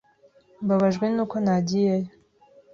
Mbabajwe nuko ntagiyeyo.